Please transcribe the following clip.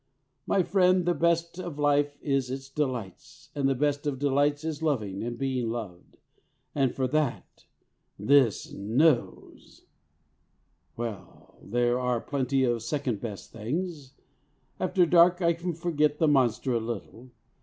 My friend, the best of life is its delights, and the best of delights is loving and being loved. And for that this nose! Well, there are plenty of second best things. After dark I can forget the monster a little.